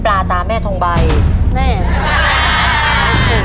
ตัวเลือกที่สี่ชัชวอนโมกศรีครับ